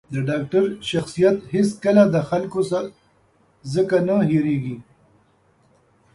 د ډاکتر شخصیت هېڅکله د خلکو ځکه نه هېرېـږي.